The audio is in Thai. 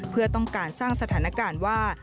เพื่อต้องการสร้างสถานการณ์ว่า